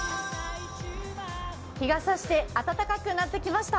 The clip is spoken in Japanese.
日が差して暖かくなってきました。